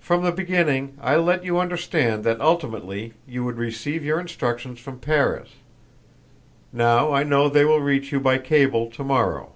"From the beginning I let you understand that ultimately you would receive your instructions from Paris; now I know they will reach you by cable to morrow.